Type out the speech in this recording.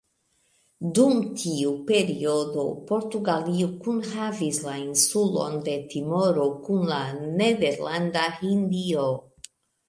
Dum tiu periodo, Portugalio kunhavis la insulon de Timoro kun la Nederlanda Hindio.